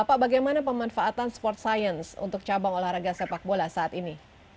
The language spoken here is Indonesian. pak bagaimana pemanfaatan sport science untuk cabang olahraga sepak bola saat ini